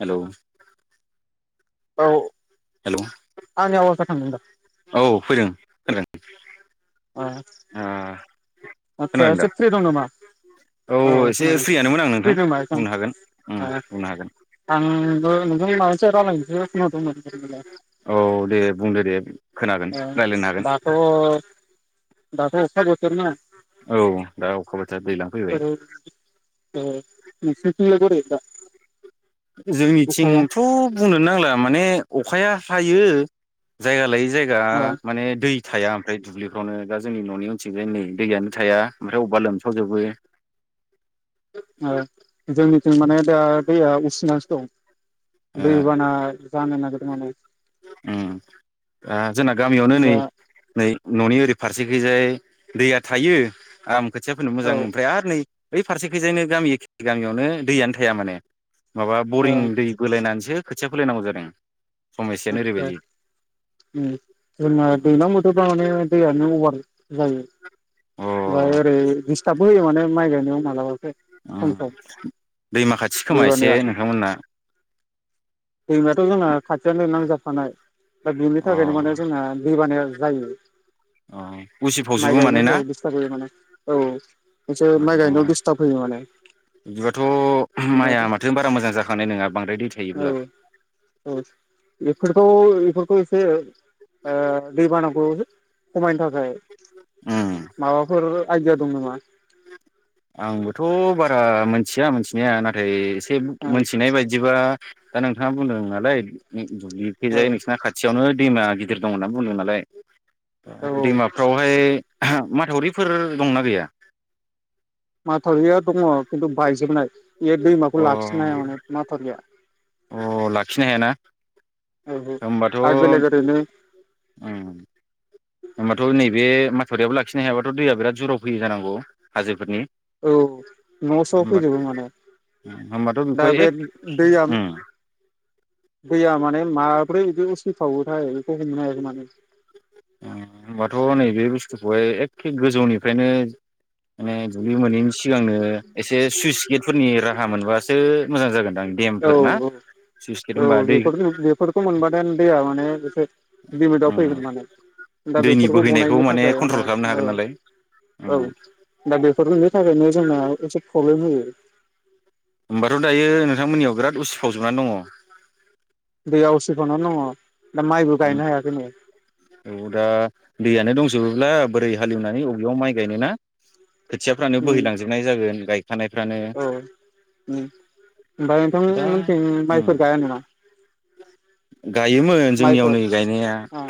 Hello औ hello आंनि आवासा आं दा औ फैदों होनदों ओ आदसा खोनादों एसे दा फ्रि दं नामा औ एसे [unintelligible] मोन आं फ्रि नोंथां दंबा बुंनो हागोन उम बुंनो हागोन। नोंबो नोंथांनि माबा मोनसे रायलायनोसो खोनादोंमोन। औ दे बुंदो दे खोनागोन ओ रायलायनो हागोन। दाथ' दाथ' अखा बोथोर ना? औ दा अखा बो [inaudible] ओ नोंसोरथिंलाय बोरै दा? अखाया जोंनिथिंथ' बुंनोनो नांला माने अखाया हायो जायगा लायै जायगा ओ माने दै थाया ओमफ्राय दुब्लिफ्रावनो दा जोंनि न'नि उनथिंजायनो नै दैयानो थाया ओमफ्राय अबावबा लोमसावजोबो। ओ जोंनि जों माने दा दैया उसिनानैसो दं। ओ दै बाना जानो नागिर रो माने। उम दा जोंना गामियावनो नै होमबा नै न'नि ओरै फारसेखैजाय दैया थायो आम ‌ खोथिया फोनो औ मोजां ओमफ्राय आरो नै बै फारसेखैजायनो गामि एखे गामियावनो दैयानो थाया माने। माबा ओ बरिं दै बोलायनानैसो खोथिया फोलायनांगौ जादों। सम [inaudible] एसेयानो ओरैबायदि जोंना दैलां बोथोर जाबानो दैयानो अभार जायो। अ ओमफ्राय ओरै दिस्थाबबो होयो माने माइ गायनायाव मालाबा। उम दैमा खाथि खोमा एसे दैबानाया नोंथांमोनना। दैमायाथ' जोंना खाथियावनो नांजाबफानाय दा बेनि अ थाखायनो माने जोंना दै बानाया जायो। अ माइ उसिफावजोबो माने ना गायनायफोराव दिस्ताब होयो माने औ। एसे अ माइ गायनायाव दिस्टार्ब होयो माने बिदिबाथ' माइया बिराद। माथो बारा मोजां जाखांनाय नङा बांद्राय दै थायोब्ला। ओ बेफोरखौ बेफोरखौ एसे ओ दै बानाखौ खमायनो थाखाय उम माबाफोर आइदिया दं नामा? आंबोथ' बारा मिथिया मिथिनाया नाथाय ए ओ औ मोनथिनाय बायदिबा दा नोंथाङा बुंदों नालाय दुब्लिखैजाय औ नोंसिना खाथियावनो दैमा गिदिर दं होनना बुंदों नालाय औ दैमाफ्रावहाय माथावरिफोर दंना गैया? माथावरिया दङ खिन्थु बायजोबनाय। बियो दैमाखौ अ लाखिनाय [unintelligible] माथौरिआ अ लाखिनो हायाना औ होमबाथ' [unintelligible] ओरैनो उम होमबाथ' नैबे बे माथौरियाबो लाखिनो हायाबाथ' दैया बिराद जराव फैयो जानांगौ हाजोफोरनि औ न' स' होमबा फैजोबो माने होमबाथ' दा बेखौहाय बे एक दैया उम दैया [unintelligible] [unintelligible] [unintelligible] बेखौ हमनाय माने। होनोबाथ' नैबे बुस्थुखौहाय एखे गोजौनिफ्रायनो माने दुब्लि मोनैनि सिगांनो एसे सुइस गेटफोरनि राहा मोनबासो मोजां जागोन। औ औ औ दै बे बेफोरखौ मोनबाथायानो दैया माने लिमिटआव उम फैगोन माने दा दैनि बेफोरखौ बोहैनायखौ बनायनो थाखाय माने कन्ट्रल खालामनो औ हागोन नालाय औ उम दा बे [unintelligible] थाखायनो जोंना एसे प्रब्लेम होयो। होमबाथ' दायो नोंथांमोननियाव बिराद उसिफावजोबनानै दङ? दैआ उसिफावनानै दं। औ दा दैयानो दंसै। जोबोब्ला बोरै हालेवनानै बबेयाव माइ गायनो ना। खोथियाफ्रानो उम बोहैलांजोबनाय जागोन [unintelligible] औ ओमफ्राय ओम दा नोंथांमोनथिं उम माइफोर गाया नामा? गायोमोन। जोंनियाव माइफोर नै गायनाया ओ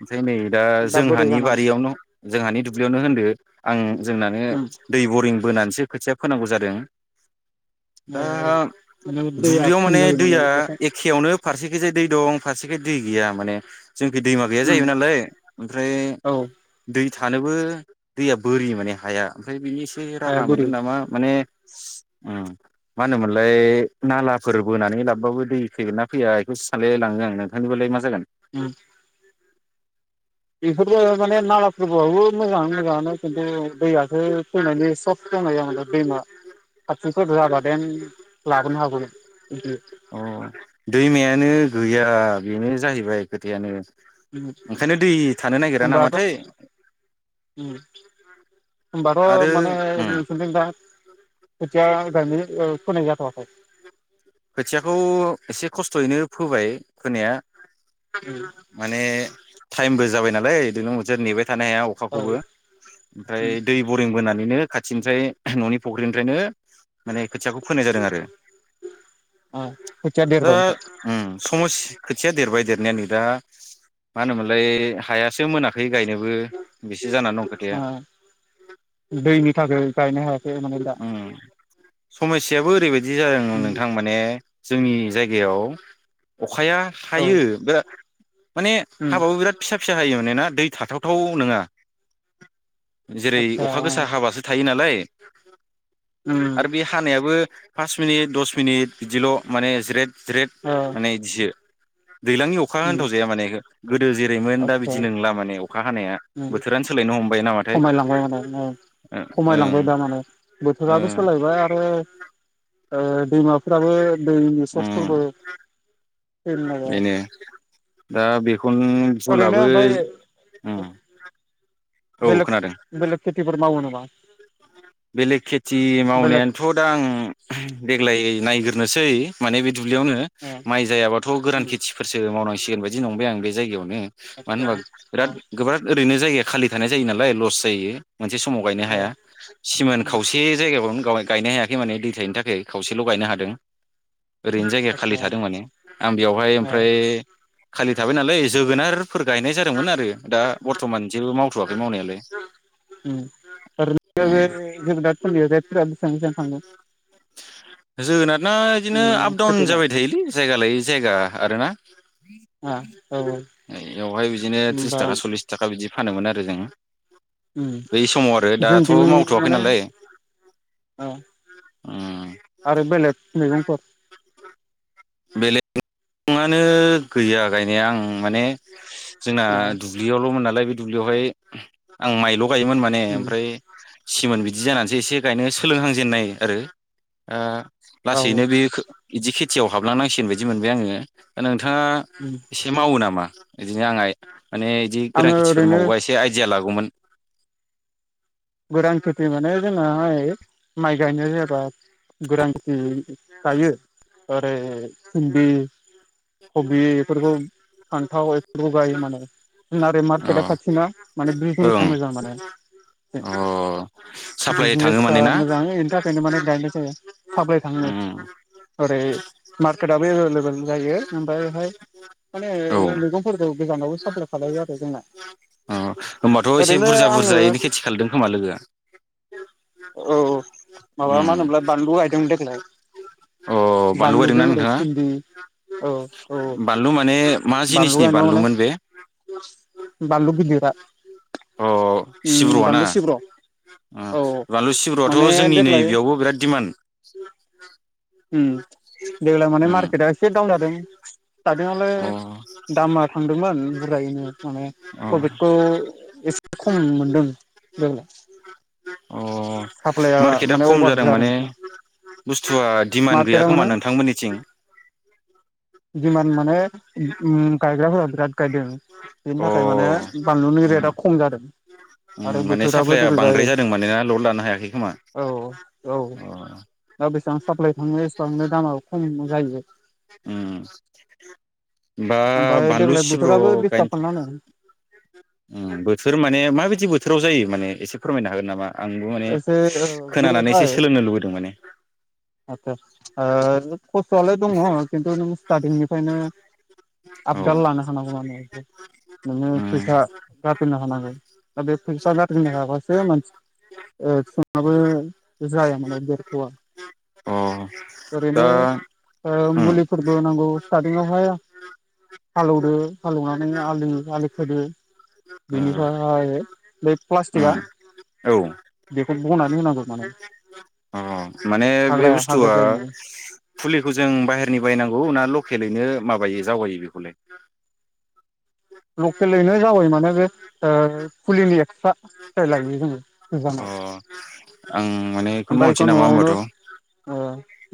ओमफ्राय नै दा बोरै जोंहानि जानानै बारियावनो जोंहानि दुब्लियावनो होनदो आं जोंनानो उम दै बरिं बोनानैसो खोथिया फोनांगौ जादों। औ दा औ माने दैया दुब्लियाव खम माने जायो दैया अखा एखेयावनो फारसेखैजाय दै दं फारसे दै गैया माने जोंखि दैमा गैया जाय उम नालाय ओमफ्राय औ दै थानोबो दैया बोरि माने हाया ओमफ्राय बिनि [unintelligible] एसे हाया राहा बोरि मोनगोन नामा माने ओ मा होनोमोनलाय नालाफोर बोनानै लाबबाबो दै फैगोन ना फैया बेखौसो सानलायाय लाङो आंनो [unintelligible] लाय मा जागोन उम बेखौनो माने नालफोरबाबो मोजाङा मोजाङानो खिन्थु दैआसो फैनायनि सख जाबाय नालाय दैमा [unintelligible] देन लाबोनो हागौमोन [inaudible] अ दैमायानो गैया बेनो जाहैबाय खोथायानो ओंखायनो दै थानो [inaudible] नागिरा होनबाथ' नामाथाय ओम होनबाथ' आरो माने उम नोंसिनिथिं दा खोथिया गायनो फोनो जाथआखै खोथियाखौ एसे खस्थ'यैनो फोबाय फोनाया उम माने टाइमबो जा जाबाय नालाय बिदिनो मोनसे थानो हाया औ अखाखौबो ओमफ्राय उम दै बरिं बोनानै बेनो खाथिनिफ्राय न'नि फख्रिनिफ्रायनो माने खोथियाखौ फोनाय जादों आरो ओ खोथिया देरबाय ओ [unintelligible] देरबाय देरनाया नै दा मा होनोमोनलाय हायासो मोनाखै गायनोबो बेसो जानानै दं खोथाया [inaudible] दैनि थाखाय गायनो हायाखै माने दा ओम समस्याआबो ओरैबायदि बिदि जादों उम नोंथां माने जोंनि जायगायाव अखाया औ हायो बेरा माने उम हाबाबो बिराद फिसा फिसा हायो माने ना दै थाथावथाव नङा जेरै आतसा अखा ओ गोसा हाबासो थायो नालाय [inaudible] उम आरो बे हानायाबो पास मिनिट दस मिनिट बिदिल' माने ज्रेद ज्रेद ओ माने इदिसो दैज्लांनि अखा उम होनथावजाया माने इखो गोदो जेरैमोन दा आदसा बिदि नंला माने अखा हानाया उम बोथोरानो सोलायनो हमबाय नामाथाय खमायलांबाय माने औ ओं खमायलांबाय दा माने बोथोराबो ओं सोलायबाय आरो ओ दैमाफोराबो दैनि ओं सतफोरबो फेलनाया बेनो दा बेखौनो ओरैनो भुलाबो ओमफ्राय औ बेलेक खोनादों बेलेग खेथिफोर मावो नामा बा बेलेग खेथि मावनायानोथ' दा आं देग्लाय नायग्रनोसै माने बिदि दुब्लियावनो ओ माइ जायाबाथ' गोरान उम खेथिफोरसो मावनांसिगोन बायदि नंबाय आं बे जायगायावनो मानो आतसा होनबा बिराद गोबां ओरैनो जायो आरो खालि थानाय जायो नालाय लस जायो। मोनसे समाव गायनो औ औ हाया। सिमोन खावसे जायगाायावनो गाव गायनो हायाखै माने दैथायनि थाखाय खावसेल' गायनो हादों। ओरैनो जायगाया खालि आतसा थादों माने आं बेवहाय औ ओमफ्राय खालि थाबाय नालाय जोगोनार फोर गायनाय जादोंमोन आरो दा बर्थ'मान जेबो मावथ'वाखै मावनायालाय। जद थ [unintelligible] बेसेबां बेसेबां थांगौ [unintelligible] जोगोनाद दा बिदिनो उम आप डाउन खेथिना जाबाय थायोलै जायगा लायै जायगा आरोना। ओ औ औ यावहाय बिदिनो त्रिस होमबा थाखा सल्लिस थाखा बिदि फानोमोन आरो जोङो ओम जोंथि मावथ'वाखै माने नालाय औ आरो बेलेग मैगंफोर [unintelligible] बेलेगआनो गैया गायनो [unintelligible] बे आं माने जोंना ओ दुब्लियावल'मोन नालाय दुब्लियावहाय आं माइल' गायोमोन माने उम ओमफ्राय सिमोन बिदि जानानैसो एसे गायनो सोलोंहांजेनन्नाय आरो ओ औ लासैनो बे खो बिदि खेथि हाबलांनांसिगोन बायदि मोनबाय आङो बिथाङा उम एसे मावो नामा? बिदिनो आाङाय माने बिदि गोरां आङो खेथिफोर ओरैनो मावबा एसे आइडिया लागौमोन गोरान खेथि माने जोंनाहाय माइ गायनाय जायाबा गोरान खेथि गायो ओरै फिनदि खबि इफोरखौ फानथाव जगायो माने जोंहा आरो अ मार्केटआ खाथिना माने बिजनेसा ओं मोजां माने अ साप्लाय थाङो बिजनेस माने ना मोजां बेनि थाखायनो [unintelligible] माने गायनाय जायो सााब्लाय थांनो उम ओरै मार्केटाबबो एभेलेबेल [unintelligible] जायो ओमफ्रायहाय माने औ मैगंफोरखौ गोजानाव साप्लाय खालामायो आरो जोंना। अ होमबाथ' एसे ओरैनो बुरजा आङो बुरजायैनो खेथि खालायदों खोमा लोगोआ औ माबा उम मा होनोमोनलाय बान्लु गाय देग्लाय अ बानलु गायदोंना बानलुजों ओरै नोंथाङा भिन्दी औ औ बानलु माने मा बानलु जिनिसनि गायनायाव माने बानलुमोन बे बानलु गिदिरा अ उम सिब्रुआ ना? बानलु सिब्र' ओ औ बानलु सिब्रुआथ' माने जोंनि नै देग्लाय बेयावबो बिराद दिडमान्ड उम देग्लाय माने मार्केटआ एसे दाउन जादों सटारटिंआवलाय अ दामा थांदोंमोन बुरजायैनो माने अ प्रफिटखौ एसे खम मोनदों देग्लाय अ साप्लइआ मार्केटआ माने खम अभार जादों बे दिमान्ड गैया खोमा नोंथांमोननिथिं दिमान माने गायग्राफोरा बिराद गायदों बेनि अ थाखाय माने बानलुनि रेटआ उम खम जादों आरो माने बोथोराबो साप्लाया देग्लाय बांद्राय जादों माने ना लड लानो हायाखै खोमा औ औ अ दा बेसेबां साप्लाय थाङो एसेबांनो दामा खम जायो उम बा ओमफ्राय बानलु देग्लाय सिब्र' बोथोराबो डिस्टार्ब गायनो था खालामनानै उम बोथोर माने माबायदि बोथोराव जायो माने एसे फोरमायनो हागोन नामा आंबो माने एसे खोनानानै एसे बेयोहाय सोलोंनो लुबैदों माने आतसा ओ [unintelligible] खसथ'आलाय दङ' खिनथु नों स्टारटिंनि फ्रायनो औ आपदाल लानो हानांगौ माने नोङो उम फैसा गारफैनो हानांगोन दा बे फैसा गारग्रोनो हायाबासो मानसि सङाबो जाया मोन बेेरथ'आ ओ ओ मुलिफोरबो नांगौ स्टादिंआवहाय हालौवदो हालौवनानै आलि आलि खोदो ओ बेनिफ्राय बे प्लास्टिकआ उम औ बेखौ बनानै होनांगौ माने माने बे हाग्राया हाग्रा बुसथुआ जायोनो ओ फुलिखौ जों बायहेरनि बायनांगौ ना ल खेलैनो माबायो जावगायो बेखौलाय लकेलैनो जावाय माने जे ओ फुलिनि एक्सट्रा फिथाइ लायो जोङो अ आं माने बेखौनो ओमफाय मावनोसै इखौ नामा न'आवनो होमबाथ' ओ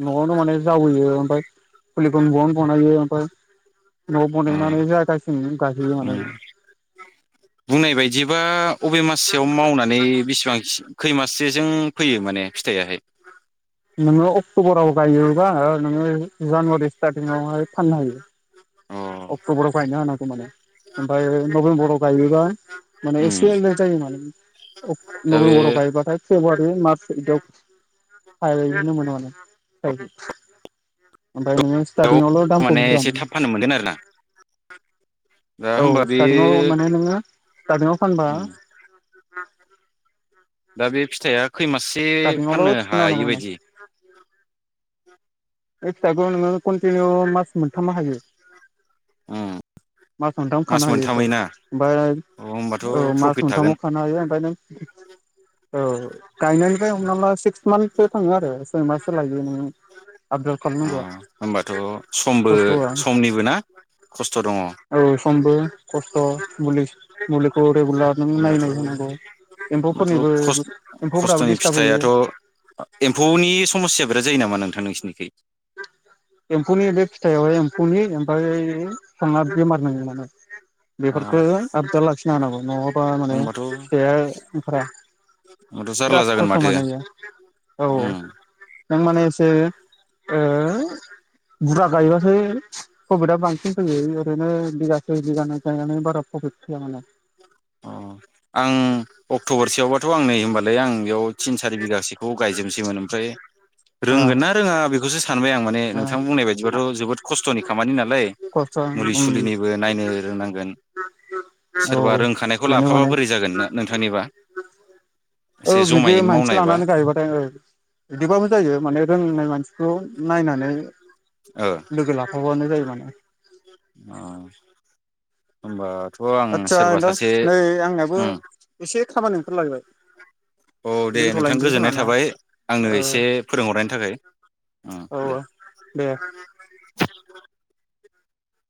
न'आवनो माने जावैयो ओमफाय फुलिखौ न' आवनो बनायो ओमफाय न'आव बनायनानै उम [unintelligible] बुंनाय बायदिबा अबे माससेयाव मावनानै बेसेबांस खैमास [unintelligible] जों फैयो माने फिथाइयाहाय नोङो अक्ट'बराव गायोबा नोङो जानुवारि स्टारटिंआवहाय फाननो हायो अ अक्ट'बराव गायनो हानांगौ माने ओमफाय नबेम्बराव गायोबा माने उम एसे लेट जायो माने अक दा बे नबेम्बराव गायबाथाय फेब्रुवारि मार्च बिदियाव खाहैनो मोनो माने फिथाइखो ओमफाय नोङो बेयाव स्टारटिंआवल' दामखौ माने एसे बुरजामोन थाब फाननो मोनगोन आरो ना दा औ होमबा बे स्टारटिंआव माने नोङो स्टारटिंआव फानबा उम दा बे फिथाइया खैमाससे स्टार्टिंआवल' फाननो थिखोना हायो होनांगौ उनाव बायदि बे फिथाइखौ नोङो कन्टिनिउ मास मोनथाम हायो उम मास मोनथाम खानो हायो बेखौ मोनथामै ना ओमफाय अ होमबाथ' औ मास प्रफिट थागोन मोनथामाव खानो हायो ओमफाय नों औ गायनायनिफ्राय हमना ला सिक्स मान्थसो थाङो आरो सय माससो लायो नों आपडल अ खालामनांगौआ होमबाथ' समबो खस्थ'आ समनिबो ना खस्थ' दङ औ समबो खस्थ' मुलिस मल होमबाथ' एम्फौफोरनिबो हबाथ' एम्फौफोराबो खस्थ'नि डिस्टार्ब होयो फिथाइाथ' एम्फौनि समस्या बिराद जायो नामा नों था नोंसिनिखै। एम्फौनि बे फिथाइआवहाय एम्फौनि ओमफ्राय संना बेमार नागौ नो अ बेफोरखौ आबदार लाखिनो हानांगौ नङाबा माने होमबाथ' फिथाया ओंखारा होमबाथ' जारला बिराद जागोन खस्थ' माथो मोनो बेयो औ औ। उम नों माने एसे ओ बुरजा गायबासो प्रफिटआ बांसिन फैयो ओरैनो बिगा सय बिगानै गायनानै बारा प्रफिट फैया मालाय। अ आं अक्ट'बरसेयावबाथ' आं नै होनोमबाल लाय आं बेयाव थिन सारि बिगासोखौ गायजोबनोसैमोन ओमफ्राय ओ रोंगोना रोङा बेखौसो सानबाय आं। माने नोंथां ओ बुनाय बादिबाथ' जोबोर खस्थ'नि खामानि नालाय खस्थ' मुलि उम सालिनिफ्राय नायनो रोंनांगोन। औ रोंखानायखौ बेनो लाफाबा माने बोरै जागोन नोंथांनिबा औ एसे बिदि जमायैनो मानसि मावनायबा लानानै गायबाथाय औ बिदिबाबो जायो माने रोंनाय मानसिखौ नायनानै ओ लागो लाफाबानो। जायो माने अ' होनबा थ' आं आदसा सोरबा नोंथां सासे नै आंनाबो ओं एसे खामानि ओंखारलायबाय औ दे नोंथां दोनथ'लायनोसै खोमा गोजोननाय ना थाबाय आंनो औ एसे फोरोंहरनायनि थाखाय ओं औ दे। दे [inaudible]